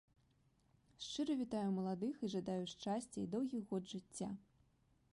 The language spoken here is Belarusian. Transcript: Шчыра вітаю маладых і жадаю шчасця і доўгіх год жыцця!